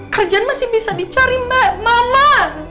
kerjaan masih bisa dicari mbak mama